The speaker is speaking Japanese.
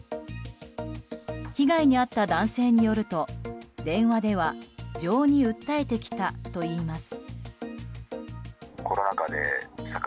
被害に遭った男性によると電話では情に訴えてきたといいます。